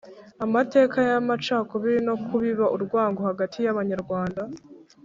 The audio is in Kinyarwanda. amateka y’amacakubiri no kubiba urwango hagati y’abanyarwanda